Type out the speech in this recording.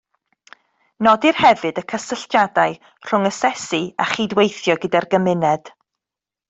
Nodir hefyd y cysylltiadau rhwng asesu a chydweithio gyda'r gymuned